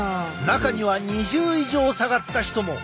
中には２０以上下がった人も。